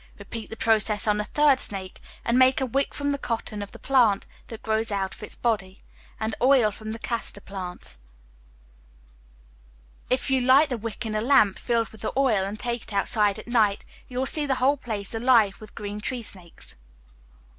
Repeat the process on a third snake, and make a wick from the cotton of the plant that grows out of its body, and oil from the castor plants. If you light the wick in a lamp filled with the oil, and take it outside at night, you will see the whole place alive with green tree snakes.